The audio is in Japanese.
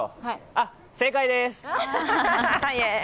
あっ、正解です。